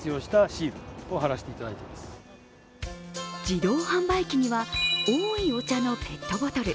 自動販売機にはおいお茶のペットボトル